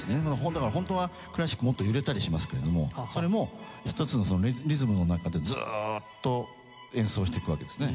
だからホントはクラシックもっと揺れたりしますけれどもそれも一つのリズムの中でずーっと演奏していくわけですね